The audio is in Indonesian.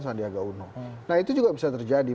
sandiaga uno nah itu juga bisa terjadi